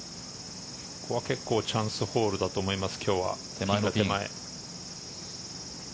ここは結構チャンスホールだと思います。